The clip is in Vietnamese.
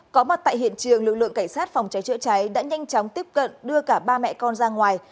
có mặt tại hiện trường lực lượng cảnh sát phòng cháy chữa cháy đã nhanh chóng tiếp cận đưa cả ba mẹ con ra ngoài